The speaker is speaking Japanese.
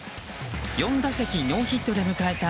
４打席ノーヒットで迎えた